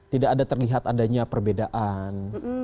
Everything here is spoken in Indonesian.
tidak ada terlihat adanya perbedaan